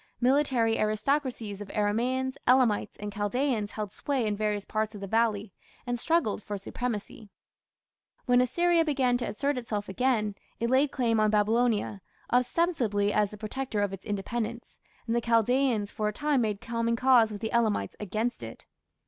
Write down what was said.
Military aristocracies of Aramaeans, Elamites, and Chaldaeans held sway in various parts of the valley, and struggled for supremacy. When Assyria began to assert itself again, it laid claim on Babylonia, ostensibly as the protector of its independence, and the Chaldaeans for a time made common cause with the Elamites against it.